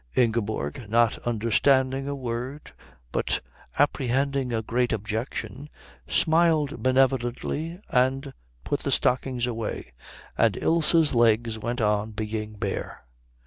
Ingeborg, not understanding a word but apprehending a great objection, smiled benevolently and put the stockings away, and Ilse's legs went on being bare.